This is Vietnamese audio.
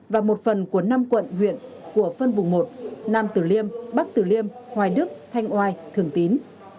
và một phần của năm quận huyện của phân vùng một nam tử liêm bắc tử liêm hoài đức thanh oai thường tín